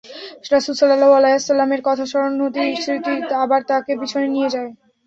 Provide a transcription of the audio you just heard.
রাসূল সাল্লাল্লাহু আলাইহি ওয়াসাল্লাম-এর কথা স্মরণ হতেই স্মৃতি আবার তাঁকে পিছনে নিয়ে যায়।